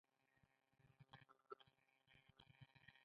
بلوڅان په سیستان کې دي.